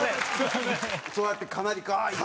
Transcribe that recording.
そうやってかなりガーッいって。